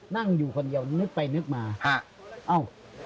นั่งอยู่คนเดียวนึกไปนึกมาฮะเอ้า